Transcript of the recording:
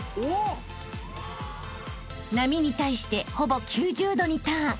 ［波に対してほぼ９０度にターン］